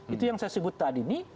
itu yang saya sebut tadi ini